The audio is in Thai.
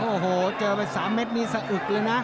โอ้โหเจอไป๓เม็ดนี่สะอึกเลยนะ